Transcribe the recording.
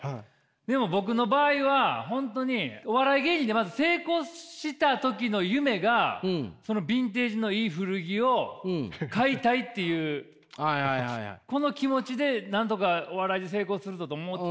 でも僕の場合は本当にお笑い芸人でまず成功した時の夢がそのビンデージのいい古着を買いたいっていうこの気持ちでなんとかお笑いで成功するぞと思ってたんで。